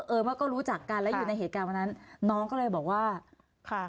เอิญว่าก็รู้จักกันแล้วอยู่ในเหตุการณ์วันนั้นน้องก็เลยบอกว่าค่ะ